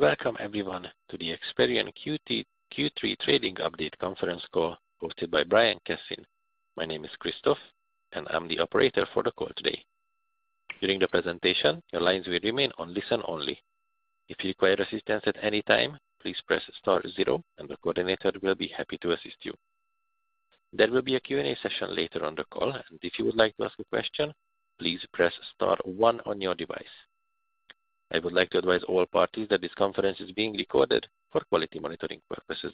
Welcome everyone to the Experian Q3 Trading Update conference call hosted by Brian Cassin. My name is Christophe, I'm the operator for the call today. During the presentation, your lines will remain on listen only. If you require assistance at any time, please press star zero and the coordinator will be happy to assist you. There will be a Q&A session later on the call, and if you would like to ask a question, please press star one on your device. I would like to advise all parties that this conference is being recorded for quality monitoring purposes.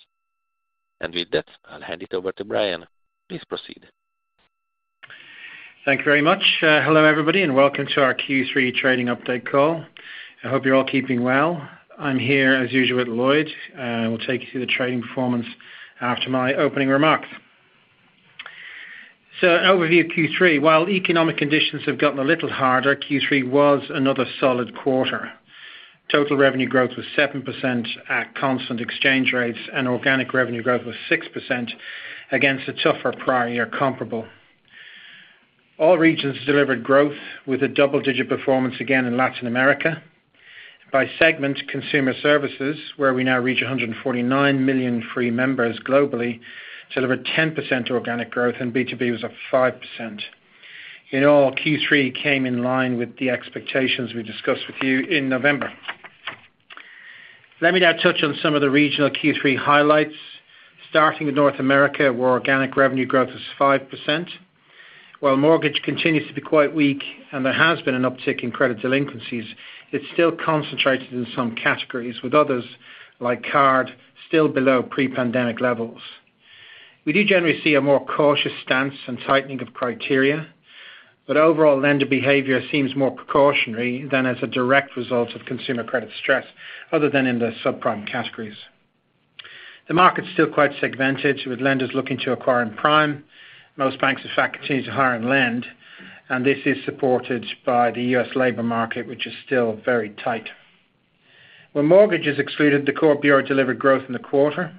With that, I'll hand it over to Brian. Please proceed. Thank you very much. Hello, everybody, and welcome to our Q3 trading update call. I hope you're all keeping well. I'm here, as usual, with Lloyd, who will take you through the trading performance after my opening remarks. An overview of Q3. While economic conditions have gotten a little harder, Q3 was another solid quarter. Total revenue growth was 7% at constant exchange rates, and organic revenue growth was 6% against a tougher prior year comparable. All regions delivered growth with a double-digit performance again in Latin America. By segment, consumer services, where we now reach 149 million free members globally, delivered 10% organic growth, and B2B was up 5%. In all, Q3 came in line with the expectations we discussed with you in November. Let me now touch on some of the regional Q3 highlights, starting with North America, where organic revenue growth was 5%. While mortgage continues to be quite weak and there has been an uptick in credit delinquencies, it's still concentrated in some categories, with others, like card, still below pre-pandemic levels. We do generally see a more cautious stance and tightening of criteria, but overall lender behavior seems more precautionary than as a direct result of consumer credit stress, other than in the subprime categories. The market's still quite segmented, with lenders looking to acquire in prime. Most banks, in fact, continue to hire and lend. This is supported by the U.S. labor market, which is still very tight. When mortgage is excluded, the core bureau delivered growth in the quarter.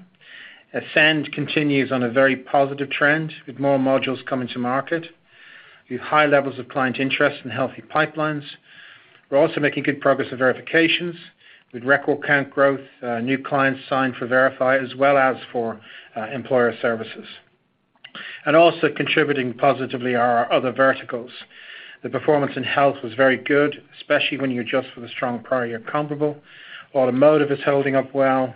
Ascend continues on a very positive trend, with more modules coming to market. We have high levels of client interest and healthy pipelines. We're also making good progress with verifications, with record count growth, new clients signed for Verify, as well as for employer services. Also contributing positively are our other verticals. The performance in health was very good, especially when you adjust for the strong prior year comparable. Automotive is holding up well.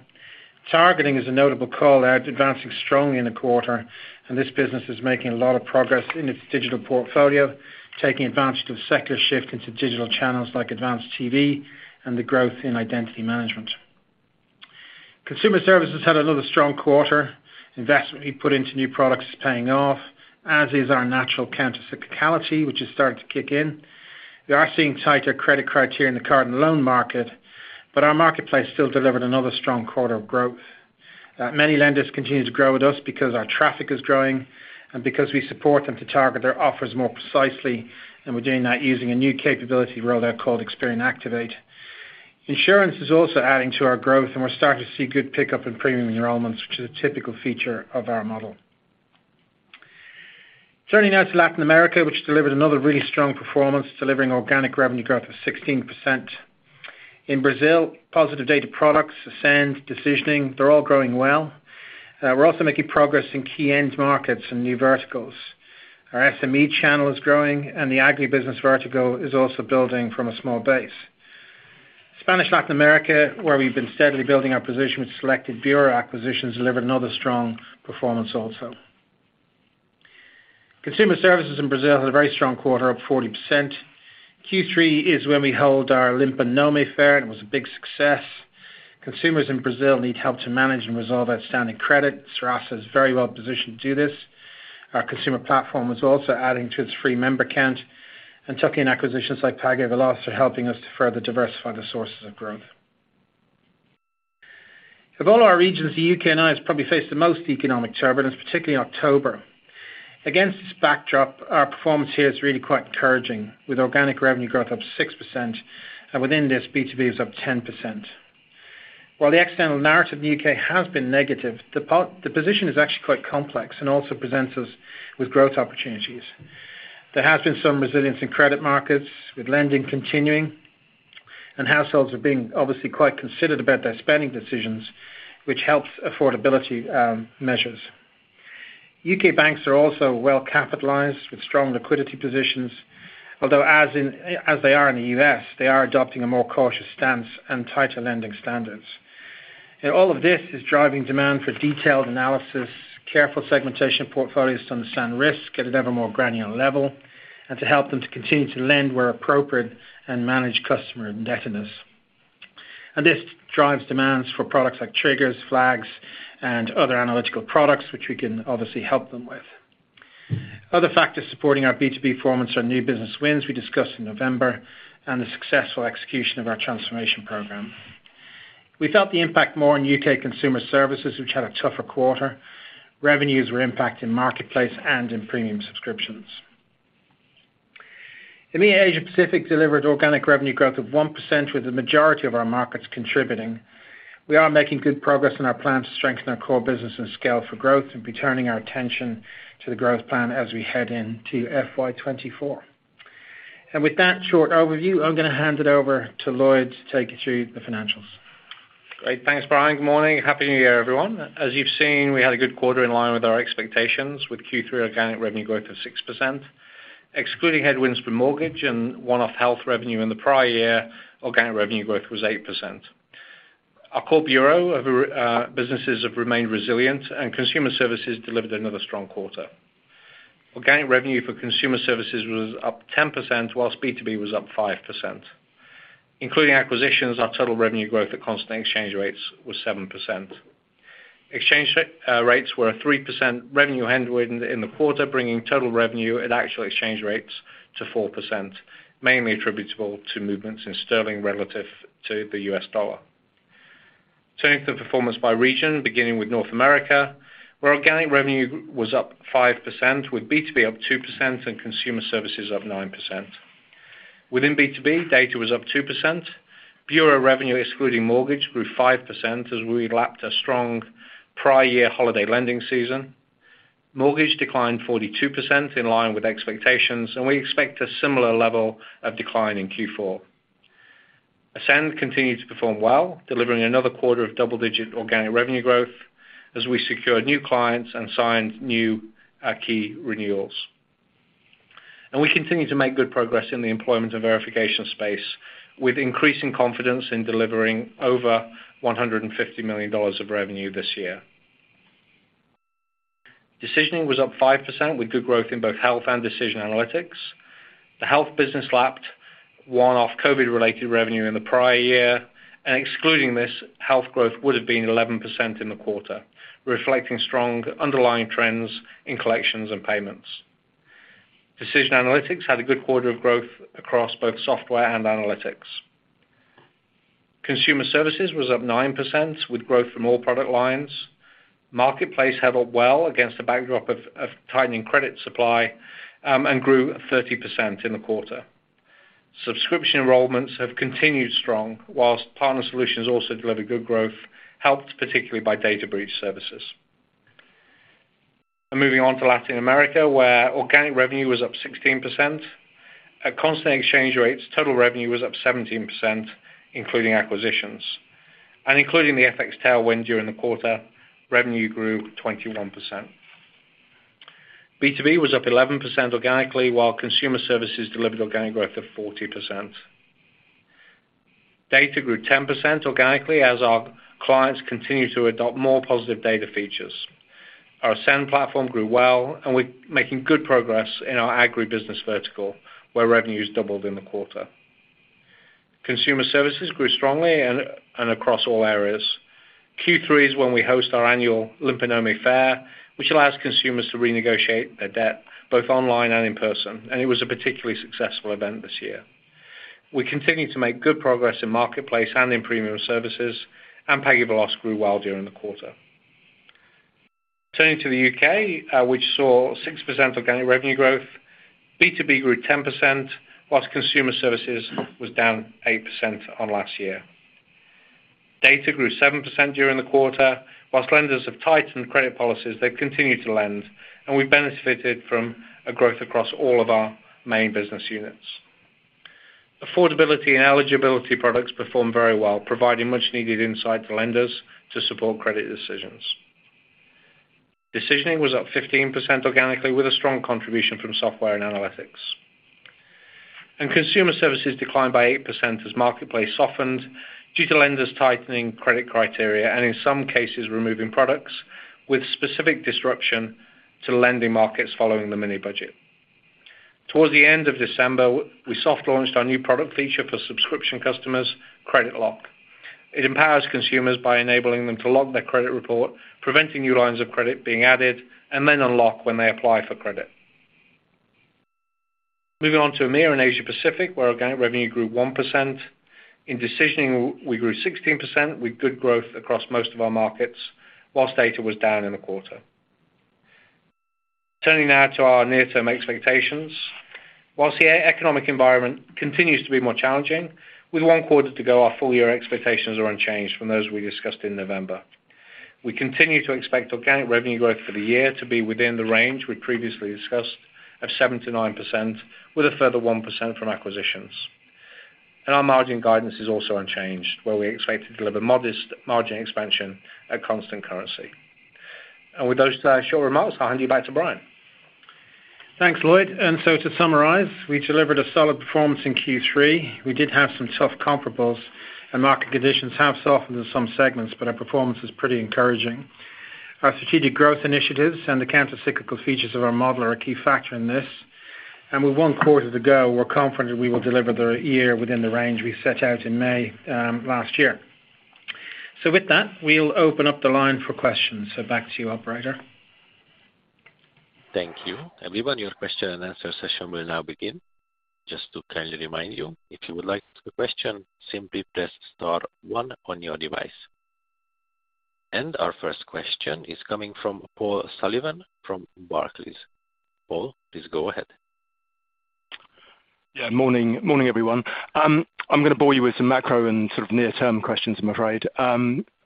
Targeting is a notable call out, advancing strongly in the quarter, and this business is making a lot of progress in its digital portfolio, taking advantage of the secular shift into digital channels like Advanced TV and the growth in identity management. Consumer services had another strong quarter. Investment we put into new products is paying off, as is our natural counter cyclicality, which is starting to kick in. We are seeing tighter credit criteria in the card and loan market, but our marketplace still delivered another strong quarter of growth. Many lenders continue to grow with us because our traffic is growing and because we support them to target their offers more precisely, and we're doing that using a new capability rollout called Experian Activate. Insurance is also adding to our growth, and we're starting to see good pickup in premium enrollments, which is a typical feature of our model. Turning now to Latin America, which delivered another really strong performance, delivering organic revenue growth of 16%. In Brazil, Positive Data products, Ascend, decisioning, they're all growing well. We're also making progress in key end markets and new verticals. Our SME channel is growing and the Agribusiness Vertical is also building from a small base. Spanish Latin America, where we've been steadily building our position with selected bureau acquisitions, delivered another strong performance also. Consumer services in Brazil had a very strong quarter, up 40%. Q3 is when we hold our Limpa Nome fair, and it was a big success. Consumers in Brazil need help to manage and resolve outstanding credit. Serasa is very well positioned to do this. Our consumer platform is also adding to its free member count, and tuck-in acquisitions like PagueVeloz are helping us to further diversify the sources of growth. Of all our regions, the UK and IE has probably faced the most economic turbulence, particularly October. Against this backdrop, our performance here is really quite encouraging. With organic revenue growth up 6%, and within this, B2B is up 10%. While the external narrative in the UK has been negative, the position is actually quite complex and also presents us with growth opportunities. There has been some resilience in credit markets, with lending continuing, and households are being obviously quite considered about their spending decisions, which helps affordability measures. UK banks are also well capitalized with strong liquidity positions, although as they are in the US, they are adopting a more cautious stance and tighter lending standards. All of this is driving demand for detailed analysis, careful segmentation of portfolios to understand risk at an evermore granular level, and to help them to continue to lend where appropriate and manage customer indebtedness. This drives demands for products like triggers, flags, and other analytical products which we can obviously help them with. Other factors supporting our B2B performance are new business wins we discussed in November and the successful execution of our transformation program. We felt the impact more on UK consumer services, which had a tougher quarter. Revenues were impacted in marketplace and in premium subscriptions. EMEA Asia Pacific delivered organic revenue growth of 1% with the majority of our markets contributing. We are making good progress in our plan to strengthen our core business and scale for growth and be turning our attention to the growth plan as we head into FY24. With that short overview, I'm gonna hand it over to Lloyd to take you through the financials. Great. Thanks, Brian. Good morning. Happy New Year, everyone. As you've seen, we had a good quarter in line with our expectations with Q3 organic revenue growth of 6%. Excluding headwinds from mortgage and one-off health revenue in the prior year, organic revenue growth was 8%. Our core bureau of businesses have remained resilient and consumer services delivered another strong quarter. Organic revenue for consumer services was up 10%, whilst B2B was up 5%. Including acquisitions, our total revenue growth at constant exchange rates was 7%. Exchange rates were a 3% revenue headwind in the quarter, bringing total revenue at actual exchange rates to 4%, mainly attributable to movements in sterling relative to the US dollar. Turning to the performance by region, beginning with North America, where organic revenue was up 5% with B2B up 2% and consumer services up 9%. Within B2B, data was up 2%. Bureau revenue excluding mortgage grew 5% as we lapped a strong prior year holiday lending season. Mortgage declined 42% in line with expectations, we expect a similar level of decline in Q4. Ascend continued to perform well, delivering another quarter of double-digit organic revenue growth as we secured new clients and signed new key renewals. We continue to make good progress in the employment and verification space, with increasing confidence in delivering over $150 million of revenue this year. Decisioning was up 5% with good growth in both health and decision analytics. The health business lapped one-off COVID-related revenue in the prior year, and excluding this, health growth would have been 11% in the quarter, reflecting strong underlying trends in collections and payments. Decision analytics had a good quarter of growth across both software and analytics. Consumer services was up 9% with growth from all product lines. Marketplace held up well against the backdrop of tightening credit supply and grew 30% in the quarter. Subscription enrollments have continued strong, whilst partner solutions also delivered good growth, helped particularly by data breach services. Moving on to Latin America, where organic revenue was up 16%. At constant exchange rates, total revenue was up 17%, including acquisitions. Including the FX tailwind during the quarter, revenue grew 21%. B2B was up 11% organically, while consumer services delivered organic growth of 40%. Data grew 10% organically as our clients continue to adopt more Positive Data features. Our Ascend platform grew well, and we're making good progress in our agribusiness vertical, where revenue's doubled in the quarter. Consumer services grew strongly and across all areas. Q3 is when we host our annual Limpa Nome Fair, which allows consumers to renegotiate their debt both online and in person. It was a particularly successful event this year. We continue to make good progress in marketplace and in premium services. PagueVeloz grew well during the quarter. Turning to the UK, which saw 6% organic revenue growth. B2B grew 10%, whilst consumer services was down 8% on last year. Data grew 7% during the quarter. Whilst lenders have tightened credit policies, they've continued to lend, and we benefited from a growth across all of our main business units. Affordability and eligibility products performed very well, providing much-needed insight for lenders to support credit decisions. Decisioning was up 15% organically with a strong contribution from software and analytics. Consumer services declined by 8% as marketplace softened due to lenders tightening credit criteria and in some cases, removing products with specific disruption to lending markets following the mini-budget. Towards the end of December, we soft launched our new product feature for subscription customers, CreditLock. It empowers consumers by enabling them to lock their credit report, preventing new lines of credit being added, and then unlock when they apply for credit. Moving on to EMEA and Asia Pacific, where organic revenue grew 1%. In decisioning, we grew 16% with good growth across most of our markets, whilst data was down in the quarter. Turning now to our near-term expectations. Whilst the economic environment continues to be more challenging, with one quarter to go, our full-year expectations are unchanged from those we discussed in November. We continue to expect organic revenue growth for the year to be within the range we previously discussed of 7%-9%, with a further 1% from acquisitions. Our margin guidance is also unchanged, where we expect to deliver modest margin expansion at constant currency. With those short remarks, I'll hand you back to Brian. Thanks, Lloyd. To summarize, we delivered a solid performance in Q3. We did have some tough comparables, and market conditions have softened in some segments, but our performance is pretty encouraging. Our strategic growth initiatives and the counter-cyclical features of our model are a key factor in this. With 1 quarter to go, we're confident we will deliver the year within the range we set out in May last year. With that, we'll open up the line for questions. Back to you, operator. Thank you. Everyone, your question and answer session will now begin. Just to kindly remind you, if you would like to ask a question, simply press star one on your device. Our first question is coming from Paul Sullivan from Barclays. Paul, please go ahead. Yeah. Morning everyone. I'm gonna bore you with some macro and sort of near-term questions, I'm afraid.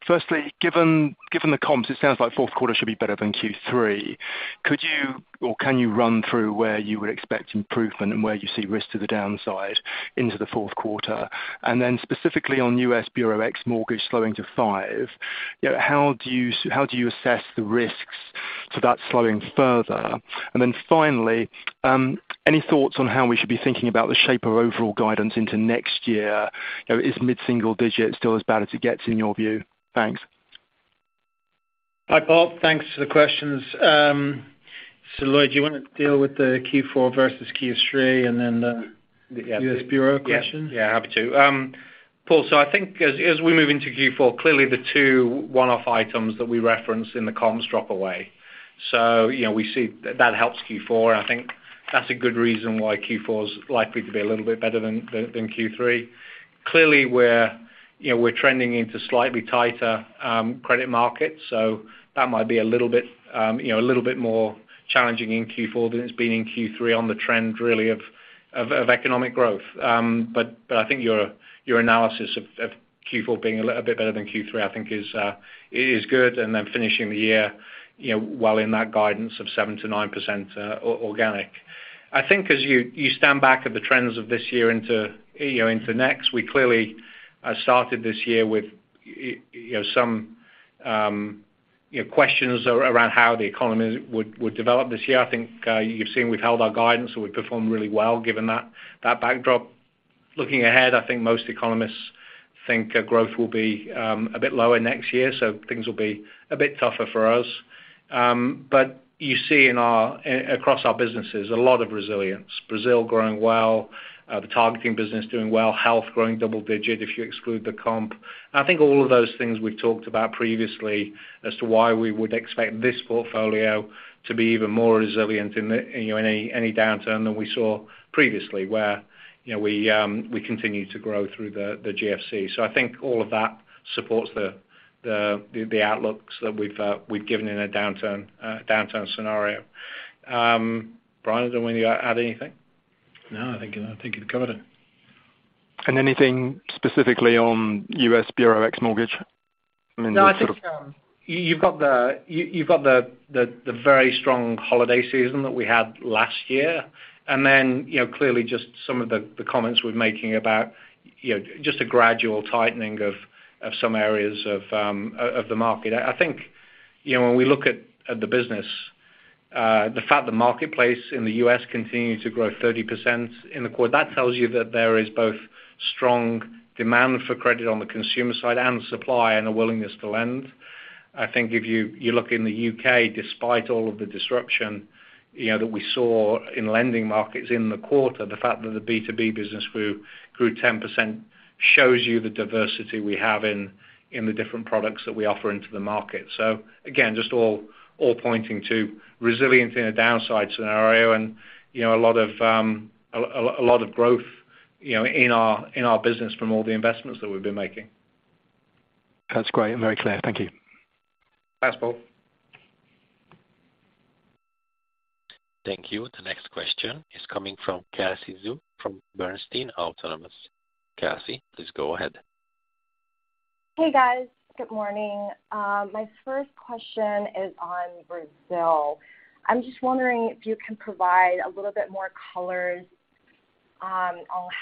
Firstly, given the comps, it sounds like fourth quarter should be better than Q3. Could you or can you run through where you would expect improvement and where you see risk to the downside into the fourth quarter? Specifically on U.S. Bureau X mortgage slowing to five, you know, how do you assess the risks to that slowing further? Finally, any thoughts on how we should be thinking about the shape of overall guidance into next year? You know, is mid-single digit still as bad as it gets in your view? Thanks. Hi, Paul. Thanks for the questions. Lloyd, do you wanna deal with the Q4 versus Q3 and then? Yeah U.S. Bureau question? Yeah. Yeah. Happy to. Paul, I think as we move into Q4, clearly the two one-off items that we referenced in the comps drop away. You know, we see that helps Q4, and I think that's a good reason why Q4 is likely to be a little bit better than Q3. We're, you know, we're trending into slightly tighter credit markets, so that might be a little bit, you know, a little bit more challenging in Q4 than it's been in Q3 on the trend really of economic growth. I think your analysis of Q4 being a little bit better than Q3, I think is good. Then finishing the year, you know, well in that guidance of 7%-9% organic. I think as you stand back at the trends of this year into, you know, into next, we clearly started this year with you know, some, you know, questions around how the economy would develop this year. I think you've seen we've held our guidance and we've performed really well given that backdrop. Looking ahead, I think most economists think growth will be a bit lower next year, so things will be a bit tougher for us. You see in our across our businesses a lot of resilience. Brazil growing well, the targeting business doing well, health growing double digit if you exclude the comp. I think all of those things we've talked about previously as to why we would expect this portfolio to be even more resilient in, you know, any downturn than we saw previously, where, you know, we continued to grow through the GFC. I think all of that supports the outlooks that we've given in a downturn scenario. Brian, do you want to add anything? I think you've covered it. Anything specifically on U.S. Bureau x mortgage? I mean, the sort of- No, I think, you've got the very strong holiday season that we had last year, and then, you know, clearly just some of the comments we're making about, you know, just a gradual tightening of some areas of the market. I think, you know, when we look at the business, the fact that Marketplace in the U.S. continues to grow 30% in the quarter, that tells you that there is both strong demand for credit on the consumer side and supply and a willingness to lend. I think if you look in the U.K., despite all of the disruption, you know, that we saw in lending markets in the quarter, the fact that the B2B business grew 10% shows you the diversity we have in the different products that we offer into the market. Again, just all pointing to resilience in a downside scenario and, you know, a lot of growth, you know, in our business from all the investments that we've been making. That's great and very clear. Thank you. Thanks, Paul. Thank you. The next question is coming from Kelsey Zhu from Bernstein Autonomous. Kelsey, please go ahead. Hey, guys. Good morning. My first question is on Brazil. I'm just wondering if you can provide a little bit more color, on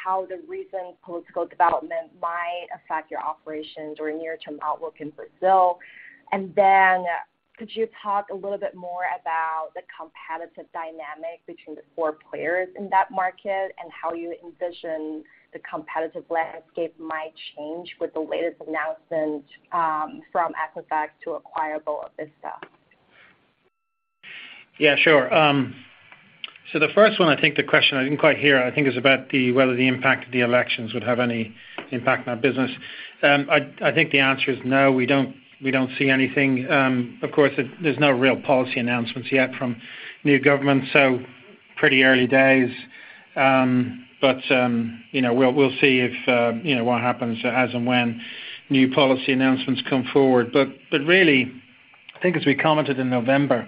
how the recent political development might affect your operations or near-term outlook in Brazil. Could you talk a little bit more about the competitive dynamic between the four players in that market and how you envision the competitive landscape might change with the latest announcement, from Equifax to acquire Boa Vista? Yeah, sure. The first one, I think the question I didn't quite hear, I think is about the, whether the impact of the elections would have any impact on our business. I think the answer is no, we don't see anything. Of course, there's no real policy announcements yet from new government, so pretty early days. You know, we'll see if, you know, what happens as and when new policy announcements come forward. Really, I think as we commented in November,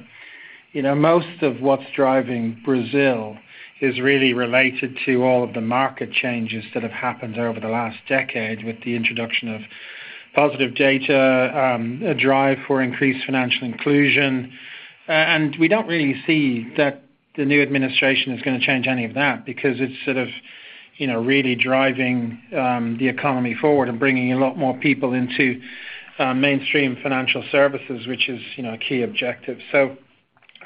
you know, most of what's driving Brazil is really related to all of the market changes that have happened over the last decade with the introduction of Positive Data, a drive for increased financial inclusion. We don't really see that the new administration is gonna change any of that because it's sort of, you know, really driving the economy forward and bringing a lot more people into mainstream financial services, which is, you know, a key objective.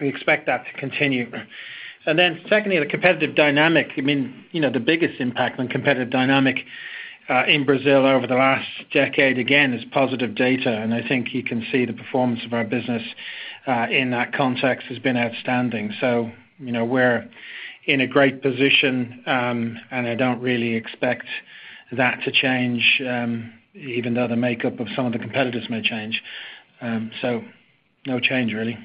We expect that to continue. Secondly, the competitive dynamic, I mean, you know, the biggest impact on competitive dynamic in Brazil over the last decade, again, is Positive Data. I think you can see the performance of our business in that context has been outstanding. You know, we're in a great position, and I don't really expect that to change, even though the makeup of some of the competitors may change. No change really.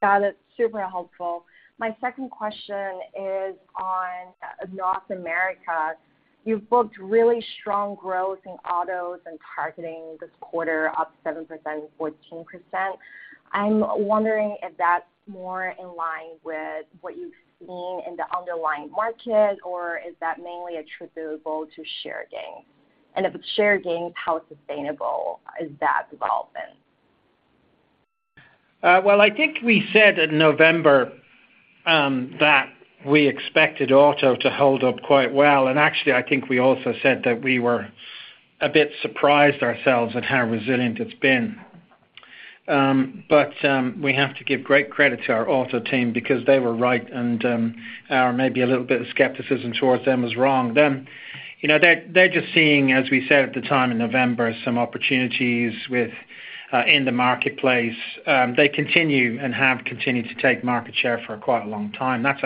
Got it. Super helpful. My second question is on North America. You've booked really strong growth in autos and targeting this quarter up 7% and 14%. I'm wondering if that's more in line with what you've seen in the underlying market, or is that mainly attributable to share gains? If it's share gains, how sustainable is that development? Well, I think we said in November that we expected auto to hold up quite well. Actually, I think we also said that we were a bit surprised ourselves at how resilient it's been. We have to give great credit to our auto team because they were right and our maybe a little bit of skepticism towards them was wrong. You know, they're just seeing, as we said at the time in November, some opportunities in the marketplace. They continue and have continued to take market share for quite a long time. That's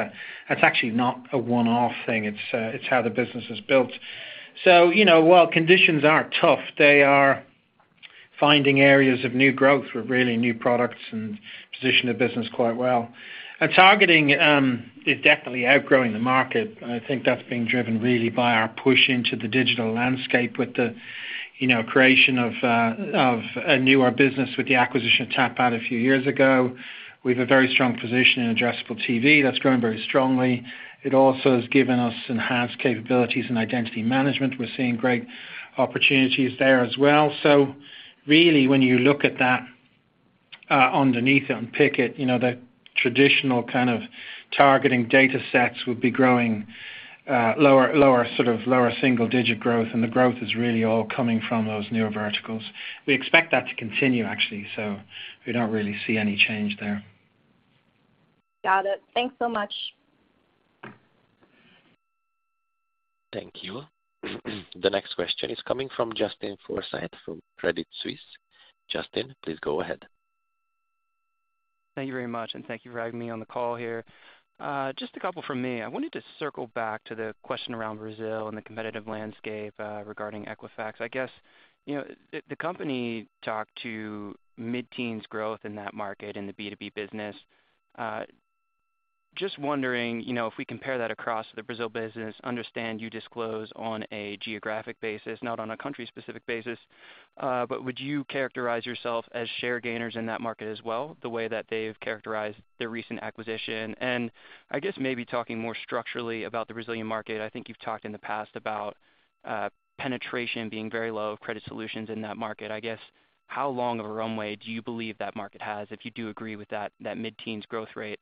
actually not a one-off thing. It's how the business is built. You know, while conditions are tough, they are finding areas of new growth with really new products and position their business quite well. Targeting is definitely outgrowing the market. I think that's being driven really by our push into the digital landscape with the, you know, creation of a newer business with the acquisition of Tapad a few years ago. We have a very strong position in addressable TV that's growing very strongly. It also has given us enhanced capabilities in identity management. We're seeing great opportunities there as well. Really, when you look at that underneath it and pick it, you know, the traditional kind of targeting data sets would be growing, lower, sort of lower single digit growth, and the growth is really all coming from those newer verticals. We expect that to continue, actually, so we don't really see any change there. Got it. Thanks so much. Thank you. The next question is coming from Justin Forsythe from Credit Suisse. Justin, please go ahead. Thank you very much, and thank you for having me on the call here. Just a couple from me. I wanted to circle back to the question around Brazil and the competitive landscape regarding Equifax. I guess, you know, the company talked to mid-teens growth in that market in the B2B business. Just wondering, you know, if we compare that across the Brazil business, understand you disclose on a geographic basis, not on a country-specific basis, but would you characterize yourself as share gainers in that market as well, the way that they've characterized their recent acquisition? I guess maybe talking more structurally about the Brazilian market. I think you've talked in the past about penetration being very low of credit solutions in that market. I guess, how long of a runway do you believe that market has if you do agree with that mid-teens growth rate?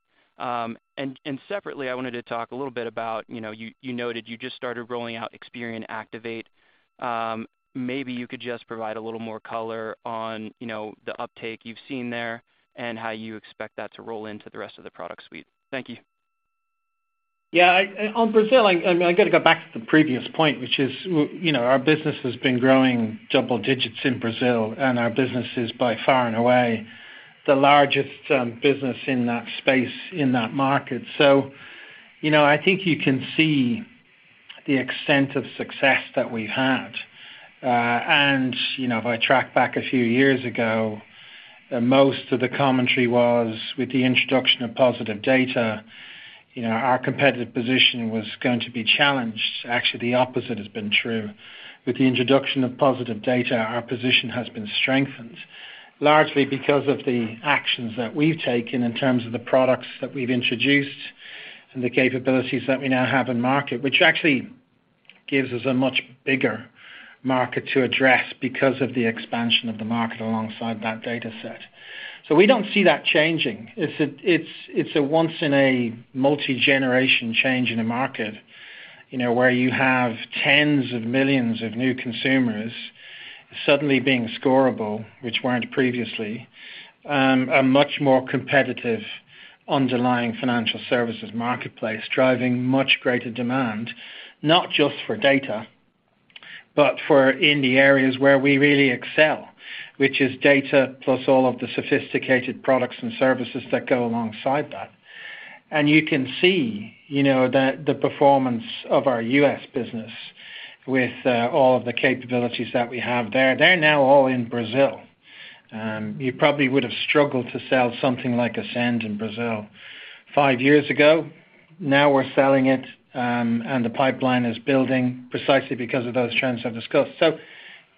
Separately, I wanted to talk a little bit about, you know, you noted you just started rolling out Experian Activate. Maybe you could just provide a little more color on, you know, the uptake you've seen there and how you expect that to roll into the rest of the product suite. Thank you. Yeah. On Brazil, I mean, I got to go back to the previous point, which is, you know, our business has been growing double digits in Brazil and our business is by far and away the largest business in that space in that market. You know, I think you can see the extent of success that we've had. You know, if I track back a few years ago, most of the commentary was with the introduction of Positive Data, you know, our competitive position was going to be challenged. Actually, the opposite has been true. With the introduction of Positive Data, our position has been strengthened, largely because of the actions that we've taken in terms of the products that we've introduced and the capabilities that we now have in market, which actually gives us a much bigger market to address because of the expansion of the market alongside that data set. We don't see that changing. It's a once in a multi-generation change in a market, you know, where you have tens of millions of new consumers suddenly being scorable, which weren't previously, a much more competitive underlying financial services marketplace, driving much greater demand, not just for data, but for in the areas where we really excel, which is data plus all of the sophisticated products and services that go alongside that. You can see, you know, the performance of our U.S. business with all of the capabilities that we have there. They're now all in Brazil. You probably would have struggled to sell something like Ascend in Brazil five years ago. Now we're selling it, and the pipeline is building precisely because of those trends I've discussed.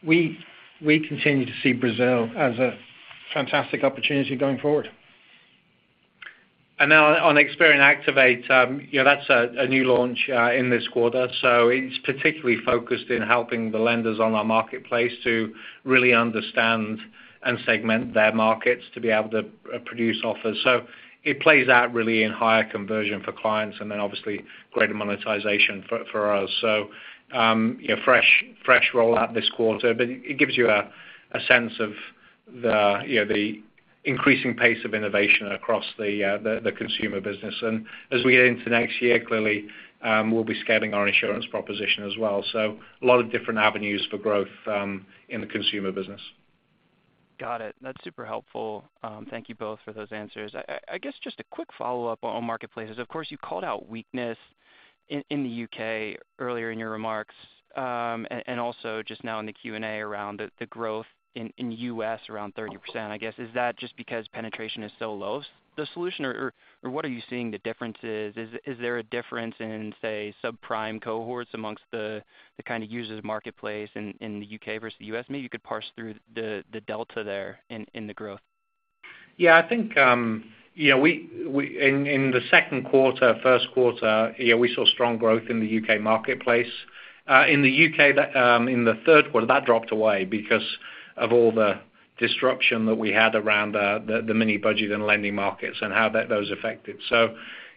We continue to see Brazil as a fantastic opportunity going forward. Now on Experian Activate, you know, that's a new launch in this quarter. It's particularly focused in helping the lenders on our marketplace to really understand and segment their markets to be able to produce offers. It plays out really in higher conversion for clients and then obviously greater monetization for us. You know, fresh rollout this quarter, but it gives you a sense of the, you know, the increasing pace of innovation across the consumer business. As we get into next year, clearly, we'll be scaling our insurance proposition as well. A lot of different avenues for growth in the consumer business. Got it. That's super helpful. Thank you both for those answers. I guess just a quick follow-up on marketplace is, of course, you called out weakness in the UK earlier in your remarks, also just now in the Q&A around the growth in US around 30%. Is that just because penetration is so low the solution, or what are you seeing the differences? Is there a difference in, say, subprime cohorts amongst the kind of users marketplace in the UK versus the US? Maybe you could parse through the delta there in the growth. Yeah, I think, you know, in the second quarter, first quarter, you know, we saw strong growth in the UK marketplace. In the UK, that in the third quarter, that dropped away because of all the disruption that we had around the mini-budget and lending markets and how that affected.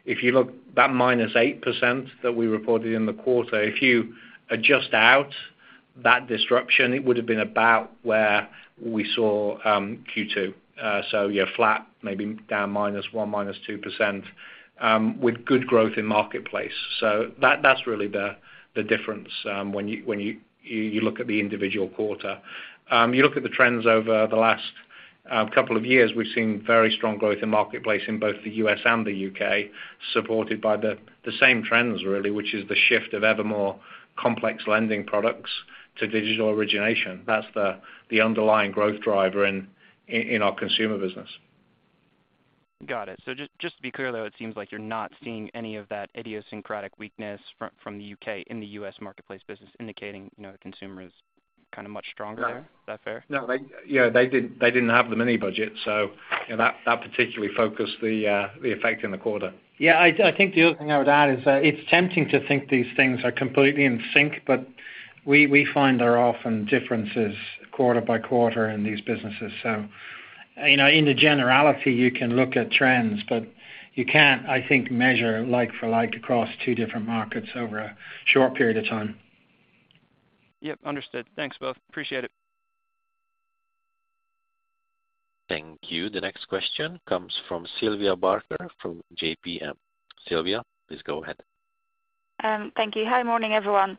If you look that -8% that we reported in the quarter, if you adjust out that disruption, it would have been about where we saw Q2. Yeah, flat, maybe down -1%, -2%, with good growth in marketplace. That's really the difference when you look at the individual quarter. You look at the trends over the last couple of years, we've seen very strong growth in marketplace in both the U.S. and the U.K., supported by the same trends really, which is the shift of ever more complex lending products to digital origination. That's the underlying growth driver in our consumer business. Got it. Just to be clear, though, it seems like you're not seeing any of that idiosyncratic weakness from the UK in the U.S. marketplace business indicating, you know, the consumer is kind of much stronger there. No. Is that fair? No, they didn't have the mini-budget, so that particularly focused the effect in the quarter. Yeah. I think the other thing I would add is that it's tempting to think these things are completely in sync, but we find there are often differences quarter by quarter in these businesses. You know, in the generality, you can look at trends, but you can't, I think, measure like for like across two different markets over a short period of time. Yep. Understood. Thanks both. Appreciate it. Thank you. The next question comes from Sylvia Barker from JPM. Sylvia, please go ahead. Thank you. Hi. Morning, everyone.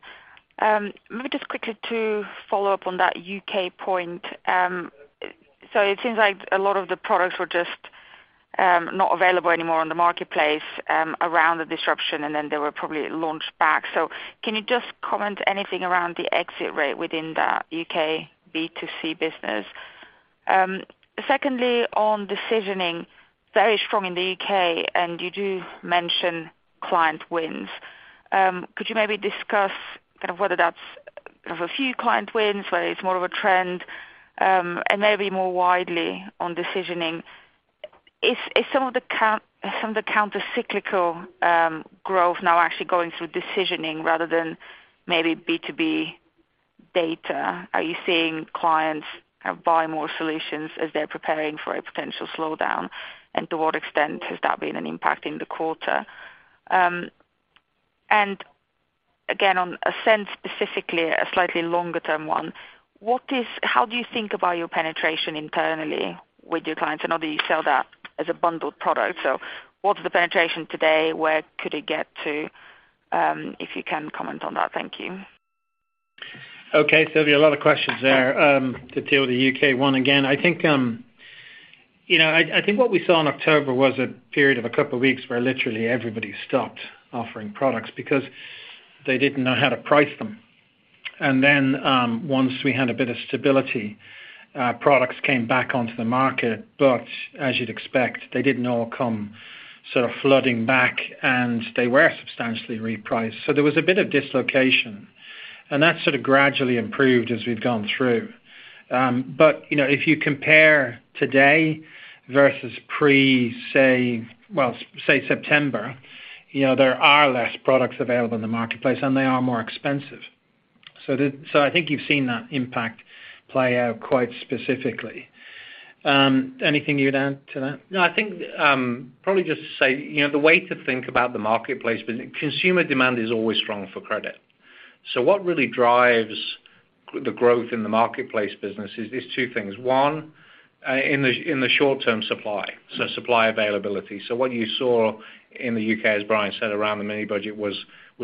Maybe just quickly to follow up on that UK point. It seems like a lot of the products were just not available anymore on the marketplace around the disruption. They were probably launched back. Can you just comment anything around the exit rate within that UK B2C business? Secondly, on decisioning, very strong in the UK, and you do mention client wins. Could you maybe discuss whether that's a few client wins, whether it's more of a trend, maybe more widely on decisioning, is some of the countercyclical growth now actually going through decisioning rather than maybe B2B data? Are you seeing clients buy more solutions as they're preparing for a potential slowdown? To what extent has that been an impact in the quarter? Again, on Ascend specifically, a slightly longer term one, how do you think about your penetration internally with your clients? I know that you sell that as a bundled product, what's the penetration today? Where could it get to, if you can comment on that? Thank you. Okay, Sylvia, a lot of questions there. To deal with the U.K. one again, I think, you know, I think what we saw in October was a period of a couple of weeks where literally everybody stopped offering products because they didn't know how to price them. Once we had a bit of stability, products came back onto the market. As you'd expect, they didn't all come sort of flooding back, and they were substantially repriced. There was a bit of dislocation, and that's sort of gradually improved as we've gone through. You know, if you compare today versus pre, say, well, say September, you know, there are less products available in the marketplace, and they are more expensive. I think you've seen that impact play out quite specifically. Anything you'd add to that? No, I think, probably just to say, you know, the way to think about the marketplace business, consumer demand is always strong for credit. What really drives the growth in the marketplace business is two things. One, in the short term, supply, so supply availability. What you saw in the U.K., as Brian said, around the mini-budget, was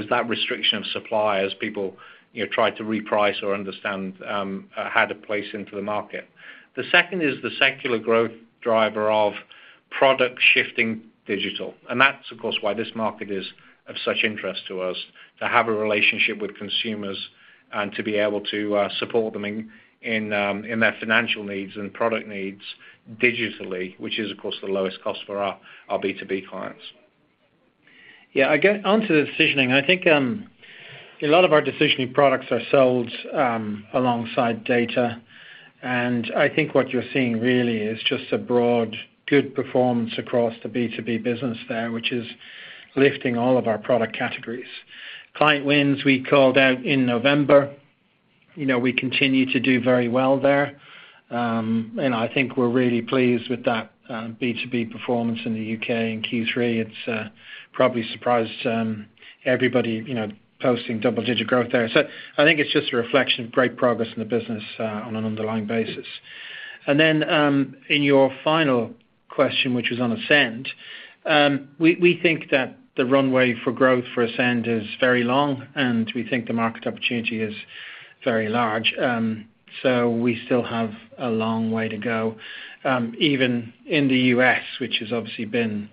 that restriction of supply as people, you know, tried to reprice or understand how to place into the market. The second is the secular growth driver of product shifting digital. That's of course why this market is of such interest to us, to have a relationship with consumers and to be able to support them in their financial needs and product needs digitally, which is of course the lowest cost for our B2B clients. Again, onto the decisioning, I think a lot of our decisioning products are sold alongside data, and I think what you're seeing really is just a broad good performance across the B2B business there, which is lifting all of our product categories. Client wins we called out in November. You know, we continue to do very well there. And I think we're really pleased with that B2B performance in the UK in Q3. It's probably surprised everybody, you know, posting double-digit growth there. I think it's just a reflection of great progress in the business on an underlying basis. In your final question, which was on Ascend, we think that the runway for growth for Ascend is very long, and we think the market opportunity is very large. We still have a long way to go, even in the U.S., which has obviously been, you know, a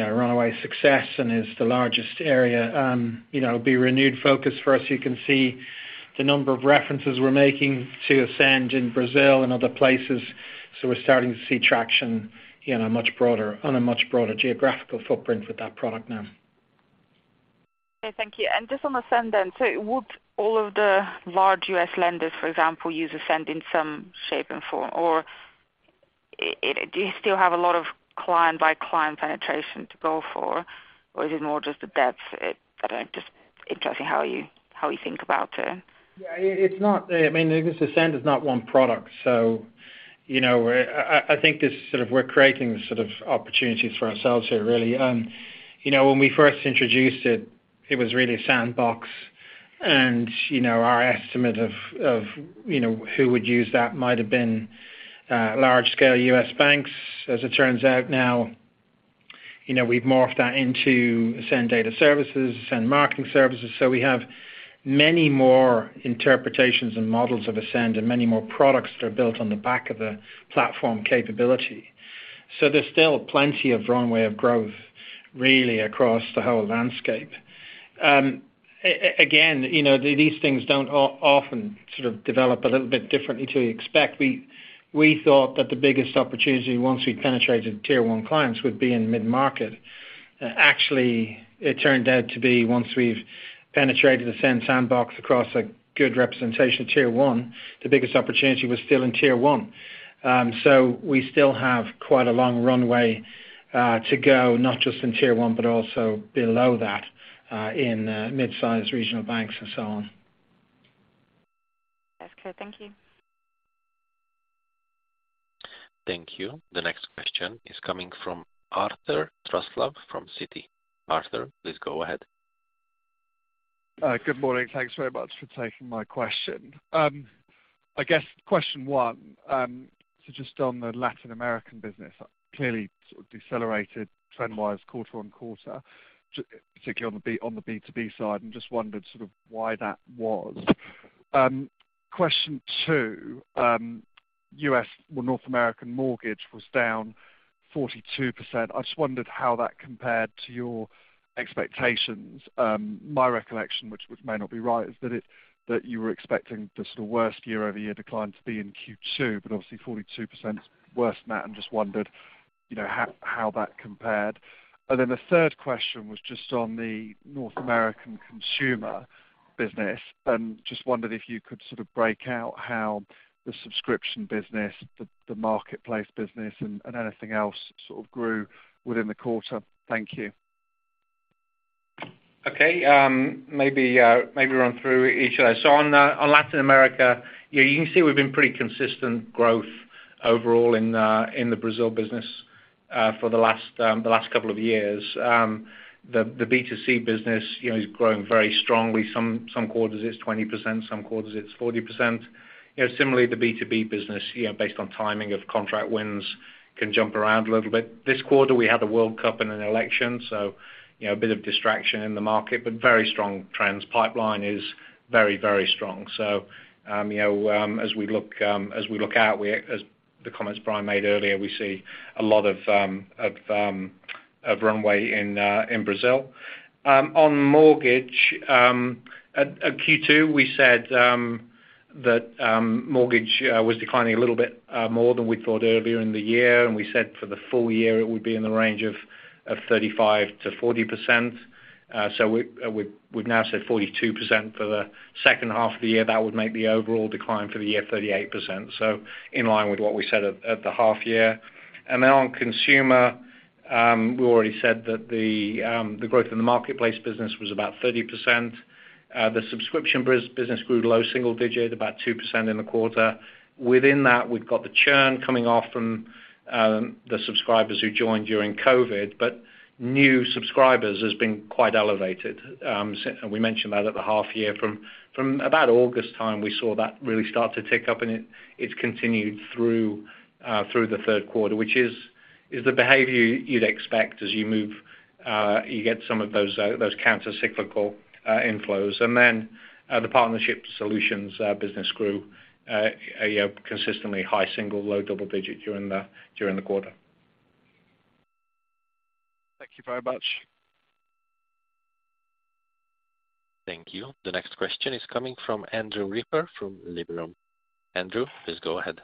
runaway success and is the largest area, you know, be renewed focus for us. You can see the number of references we're making to Ascend in Brazil and other places, we're starting to see traction in a much broader, on a much broader geographical footprint with that product now. Okay, thank you. Just on Ascend then, would all of the large U.S. lenders, for example, use Ascend in some shape and form? Do you still have a lot of client by client penetration to go for? Is it more just the depth? I don't know, just interesting how you think about it. I mean, Ascend is not one product, you know, I think it's sort of we're creating the sort of opportunities for ourselves here really. You know, when we first introduced it was really a sandbox, and, you know, our estimate of, you know, who would use that might have been large scale U.S. banks. As it turns out now, you know, we've morphed that into Ascend Data Services, Ascend Marketing Services. We have many more interpretations and models of Ascend and many more products that are built on the back of the platform capability. There's still plenty of runway of growth really across the whole landscape. Again, you know, these things don't often sort of develop a little bit differently to expect. We thought that the biggest opportunity once we penetrated tier one clients would be in mid-market. Actually, it turned out to be once we've penetrated Ascend Sandbox across a good representation of tier one, the biggest opportunity was still in tier one. We still have quite a long runway to go, not just in tier one, but also below that, in mid-size regional banks and so on. Okay, thank you. Thank you. The next question is coming from Arthur Truslove from Citi. Arthur, please go ahead. Good morning. Thanks very much for taking my question. I guess question one, just on the Latin American business, clearly sort of decelerated trend-wise quarter on quarter, particularly on the B2B side, and just wondered sort of why that was. Question two, U.S. or North American mortgage was down 42%. I just wondered how that compared to your expectations. My recollection, which may not be right, is that you were expecting the sort of worst year-over-year decline to be in Q2, but obviously 42% is worse than that. I just wondered, you know, how that compared. The third question was just on the North American consumer business, and just wondered if you could sort of break out how the subscription business, the marketplace business and anything else sort of grew within the quarter. Thank you. Okay. Maybe run through each of those. On Latin America, yeah, you can see we've been pretty consistent growth overall in the Brazil business for the last couple of years. The B2C business, you know, is growing very strongly. Some quarters it's 20%, some quarters it's 40%. You know, similarly, the B2B business, you know, based on timing of contract wins, can jump around a little bit. This quarter, we had a World Cup and an election, so, you know, a bit of distraction in the market, but very strong trends. Pipeline is very, very strong. As we look, you know, as we look out, as the comments Brian made earlier, we see a lot of runway in Brazil. On mortgage, at Q2, we said that mortgage was declining a little bit more than we thought earlier in the year. We said for the full year, it would be in the range of 35%-40%. We've now said 42% for the second half of the year. That would make the overall decline for the year 38%. In line with what we said at the half year. On consumer, we already said that the growth in the marketplace business was about 30%. The subscription business grew low single digit, about 2% in the quarter. Within that, we've got the churn coming off from the subscribers who joined during COVID, new subscribers has been quite elevated. We mentioned that at the half year. From about August time, we saw that really start to tick up, and it's continued through the third quarter, which is the behavior you'd expect as you move, you get some of those countercyclical inflows. Then the partnership solutions business grew, you know, consistently high single, low double digit during the quarter. Thank you very much. Thank you. The next question is coming from Andrew Ripper from Liberum. Andrew, please go ahead.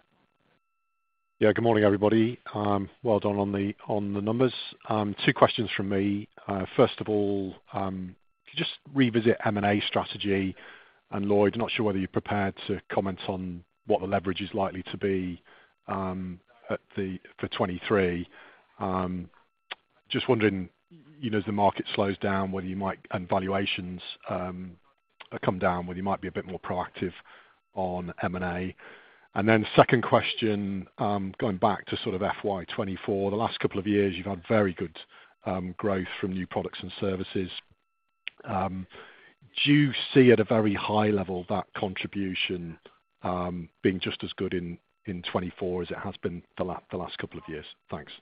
Yeah, good morning, everybody. Well done on the numbers. two questions from me. First of all, could you just revisit M&A strategy? Lloyd, not sure whether you're prepared to comment on what the leverage is likely to be, for FY23. Just wondering, you know, as the market slows down, and valuations, come down, whether you might be a bit more proactive on M&A. Second question, going back to sort of FY24, the last couple of years you've had very good, growth from new products and services. Do you see at a very high level that contribution, being just as good in FY24 as it has been the last couple of years? Thanks.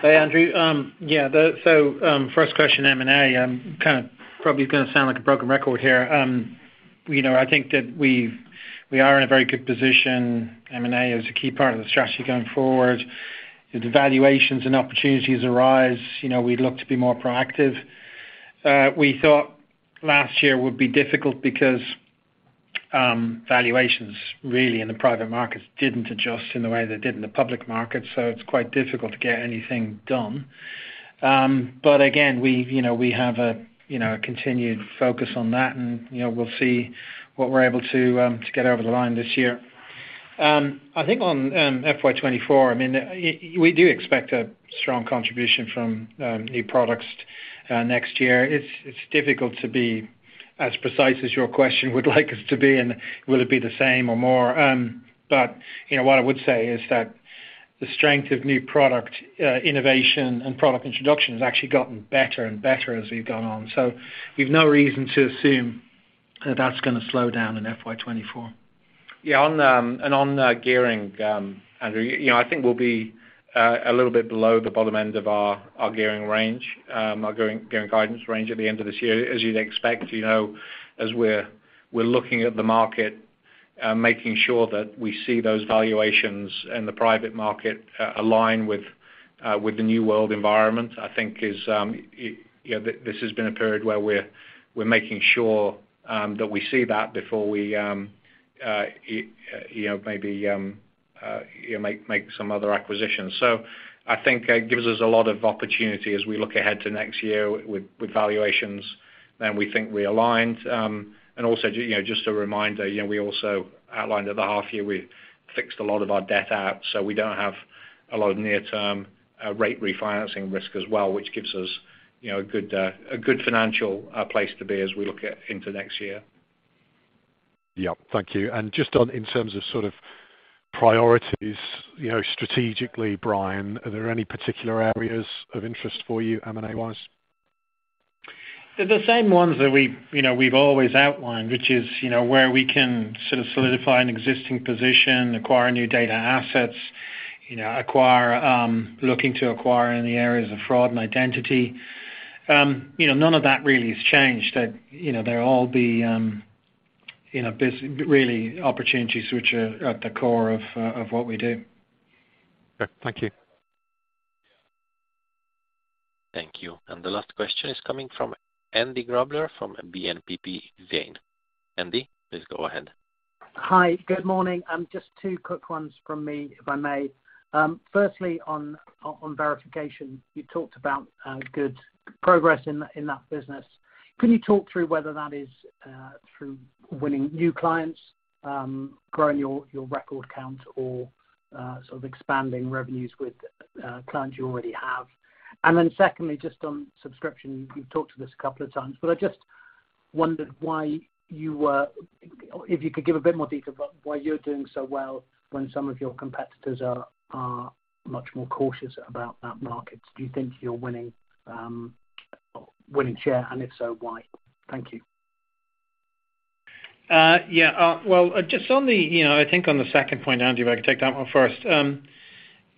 Hey, Andrew. First question, M&A. I'm kind of probably gonna sound like a broken record here. You know, I think that we are in a very good position. M&A is a key part of the strategy going forward. If the valuations and opportunities arise, you know, we'd look to be more proactive. We thought last year would be difficult because valuations really in the private markets didn't adjust in the way they did in the public market, so it's quite difficult to get anything done. Again, we've, you know, we have a, you know, a continued focus on that and, you know, we'll see what we're able to get over the line this year. I think on FY24, I mean, we do expect a strong contribution from new products next year. It's difficult to be as precise as your question would like us to be, and will it be the same or more? You know, what I would say is that the strength of new product innovation and product introduction has actually gotten better and better as we've gone on. We've no reason to assume that that's gonna slow down in FY24. Yeah, on gearing, Andrew, you know, I think we'll be a little bit below the bottom end of our gearing range, our gearing guidance range at the end of this year. As you'd expect, you know, as we're looking at the market, making sure that we see those valuations in the private market align with the new world environment, I think is, you know, this has been a period where we're making sure that we see that before we, you know, maybe, you know, make some other acquisitions. I think it gives us a lot of opportunity as we look ahead to next year with valuations than we think we aligned. Also you know, just a reminder, you know, we also outlined at the half year, we fixed a lot of our debt out, so we don't have a lot of near-term rate refinancing risk as well, which gives us, you know, a good, a good financial place to be as we look at into next year. Yeah. Thank you. Just on in terms of sort of priorities, you know, strategically, Brian, are there any particular areas of interest for you M&A-wise? The same ones that we've, you know, we've always outlined, which is, you know, where we can sort of solidify an existing position, acquire new data assets, you know, acquire, looking to acquire in the areas of fraud and identity. You know, none of that really has changed. That, you know, they'll all be, you know, really opportunities which are at the core of what we do. Okay. Thank you. Thank you. The last question is coming from Andrew Grobler from BNP Paribas Exane. Andy, please go ahead. Hi. Good morning. Just two quick ones from me, if I may. Firstly on verification, you talked about good progress in that business. Can you talk through whether that is through winning new clients, growing your record count or sort of expanding revenues with clients you already have? Secondly, just on subscription, you've talked to this a couple of times, but I just wondered why you were If you could give a bit more detail about why you're doing so well when some of your competitors are much more cautious about that market. Do you think you're winning share? If so, why? Thank you. Yeah. Well, just on the, you know, I think on the second point, Andy, if I could take that one first.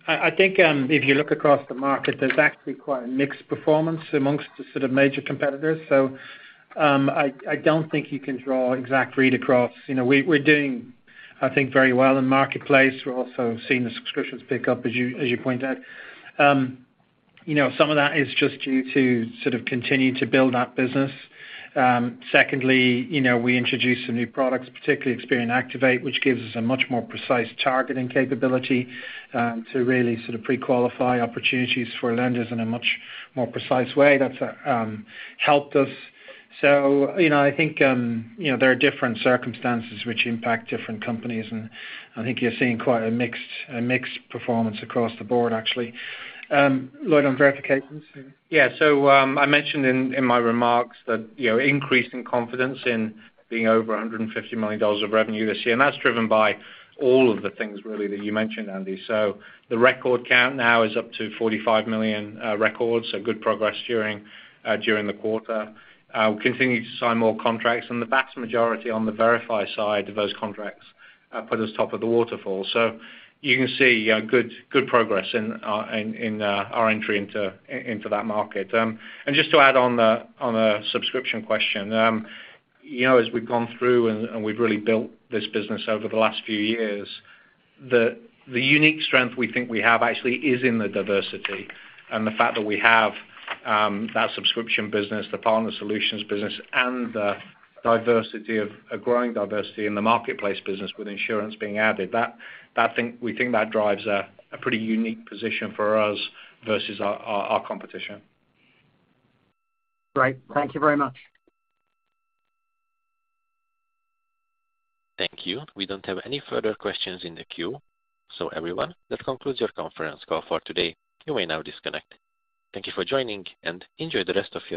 If you look across the market, there's actually quite a mixed performance amongst the sort of major competitors. I don't think you can draw exact read across. You know, we're doing, I think, very well in Marketplace. We're also seeing the subscriptions pick up, as you pointed out. You know, some of that is just due to sort of continuing to build that business. Secondly, you know, we introduced some new products, particularly Experian Activate, which gives us a much more precise targeting capability to really sort of pre-qualify opportunities for lenders in a much more precise way. That's helped us. You know, I think, you know, there are different circumstances which impact different companies, and I think you're seeing quite a mixed performance across the board, actually. Lloyd, on verifications? I mentioned in my remarks that, you know, increasing confidence in being over $150 million of revenue this year, and that's driven by all of the things really that you mentioned, Andy. The record count now is up to 45 million records, good progress during the quarter. We're continuing to sign more contracts and the vast majority on the verify side of those contracts put us top of the waterfall. You can see good progress in our entry into that market. Just to add on the, on the subscription question, you know, as we've gone through and we've really built this business over the last few years, the unique strength we think we have actually is in the diversity and the fact that we have that subscription business, the partner solutions business, and a growing diversity in the marketplace business with insurance being added. That thing we think that drives a pretty unique position for us versus our, our competition. Great. Thank you very much. Thank you. We don't have any further questions in the queue. Everyone, that concludes your conference call for today. You may now disconnect. Thank you for joining, and enjoy the rest of your day.